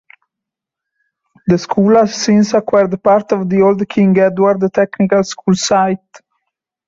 The school has since acquired part of the old King Edward Technical School site.